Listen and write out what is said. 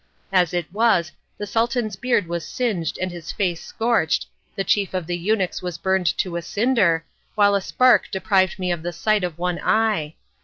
As it was, the Sultan's beard was singed and his face scorched, the chief of the eunuchs was burned to a cinder, while a spark deprived me of the sight of one eye.